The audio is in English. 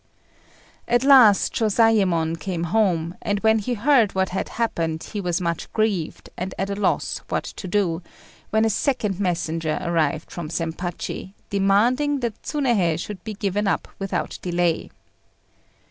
At last Shôzayémon came home; and when he heard what had happened he was much grieved, and at a loss what to do, when a second messenger arrived from Zempachi, demanding that Tsunéhei should be given up without delay.